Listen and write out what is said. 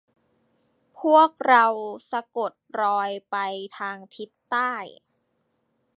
พวกเราสะกดรอยไปทางทิศใต้